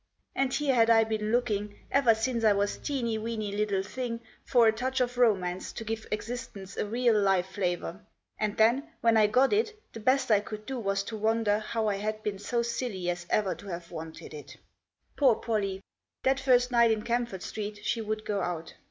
And here had I been looking, ever since I was a teeny weeny little thing, for a. touch of romance to give existence a real live flavour, and then, when I got it, the best I could do was to wonder how I had been so silly as ever to have wanted it. Poor Pollie ! That first night in Camford Street she would go out.